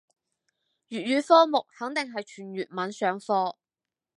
粵語科目肯定係全粵文上課